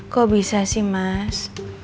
kok bisa sih mas